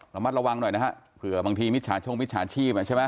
ประมาณระวังหน่อยนะฮะเผื่อบางทีมิชชาช่วงมิชชาชีพ